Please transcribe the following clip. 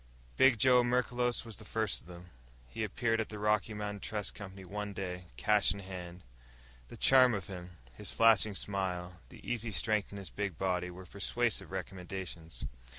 _Big Joe Merklos was the first of them. He appeared at the Rocky Mountain Trust Company one day, cash in hand. The charm of him, his flashing smile, the easy strength in his big body, were persuasive recommendations.